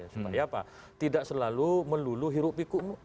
supaya tidak selalu melulu hirup piku